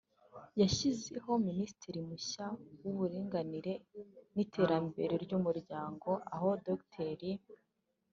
yashyizeho Minisitiri mushya w’Uburinganire n’Iterambere ry’Umuryango aho Dr